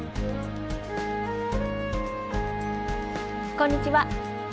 こんにちは。